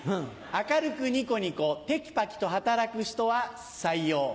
明るくニコニコテキパキと働く人は採用。